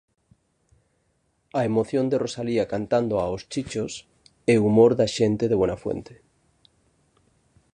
A emoción de Rosalía cantando aos chichos, e humor da xente de Buenafuente.